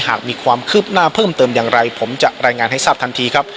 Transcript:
หากมีความคืบหน้าเพิ่มเติมอย่างไรผมจะรายงานให้ทราบทันทีครับ